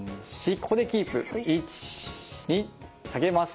ここでキープ１２下げます。